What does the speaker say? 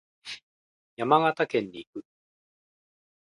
山形県に行く。